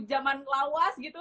jaman lawas gitu